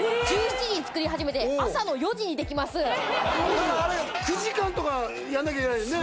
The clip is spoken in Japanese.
何かあれ９時間とかやんなきゃいけないんですね？